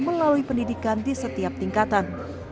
melalui pendidikan di setiap tingkatan